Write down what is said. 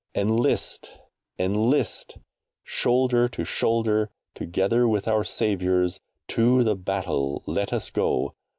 ENLIST! ENLIST! Shoulder to shoulder, together with our saviours, to the battle let us go.